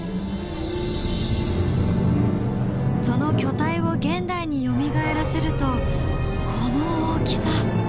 その巨体を現代によみがえらせるとこの大きさ！